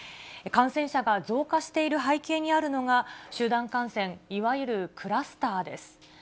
感染者が増加している背景にあるのが、集団感染、いわゆるクラスターです。